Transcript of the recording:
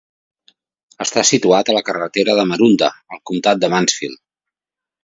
Està situat a la carretera de Maroondah, al comtat de Mansfield.